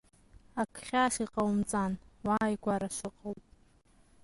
Ак хьаас иҟоумҵан, уааигәара сыҟоуп!